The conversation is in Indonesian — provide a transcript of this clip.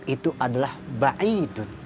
itu adalah ba'idun